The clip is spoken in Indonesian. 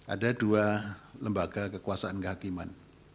ada dua lembaga kekuasaan kehakiman